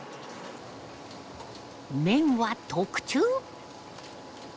麺は特注。